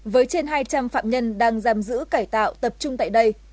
với trên hai trăm linh phạm nhân đang giam giữ cải tạo tập trung tại đây